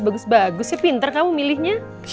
bagus bagus ya pinter kamu milihnya